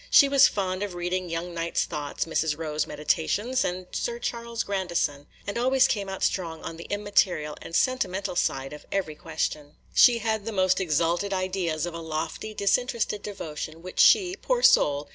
She was fond of reading Young's Night Thoughts, Mrs. Rowe's Meditations, and Sir Charles Grandison, and always came out strong on the immaterial and sentimental side of every question. She had the most exalted ideas of a lofty, disinterested devotion, which she, poor soul!